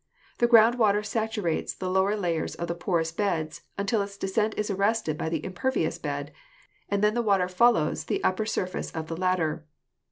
The ground water saturates the lower layers of the porous beds until its descent is arrested by the impervious bed, and then the water follows the upper surface of the latter.